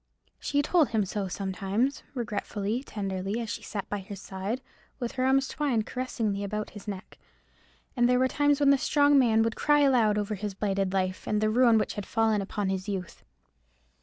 She told him so sometimes, regretfully, tenderly, as she sat by his side, with her arms twined caressingly about his neck. And there were times when the strong man would cry aloud over his blighted life, and the ruin which had fallen upon his youth.